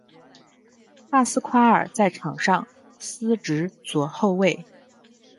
帕斯夸尔在场上司职左后卫。